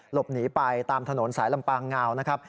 หลบหนีไปตามถนนสายลำปางงาวนะครับ